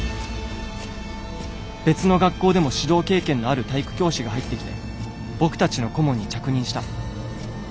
別の学校でも指導経験のある体育教師が入ってきて僕たちの顧問に着任した。